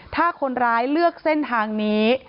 ถ้าคนร้ายเลือกเส้นทางนี้